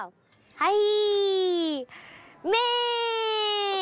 はい。